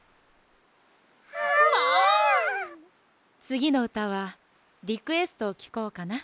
つぎのうたはリクエストをきこうかな。